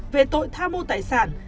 về tội tha mua tài sản